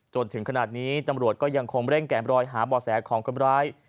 จนถึงขนาดนี้ตำรวจก็ยังคงเร่งแก่มรอยหาบ่อแสของคนร้าย